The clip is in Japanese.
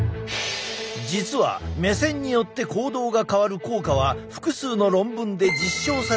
実は目線によって行動が変わる効果は複数の論文で実証された方法。